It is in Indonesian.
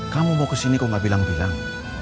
kamu mau kesini kok gak bilang bilang